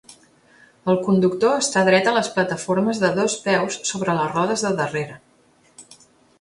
El conductor està dret a les plataformes de dos peus sobre les rodes de darrere.